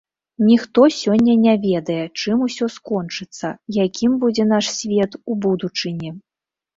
Ніхто сёння не ведае, чым усё скончыцца, якім будзе наш свет у будучыні.